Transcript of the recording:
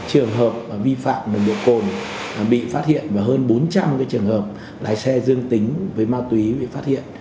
hai trường hợp vi phạm nồng độ cồn bị phát hiện và hơn bốn trăm linh trường hợp lái xe dương tính với ma túy bị phát hiện